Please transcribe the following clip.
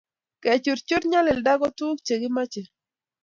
kechurchuch nyalida ko tukuk che kimoche